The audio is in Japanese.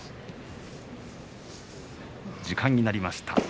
時間になりました。